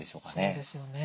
そうですよね。